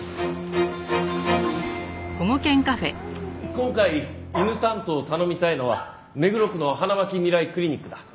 今回犬担当を頼みたいのは目黒区の花巻みらいクリニックだ。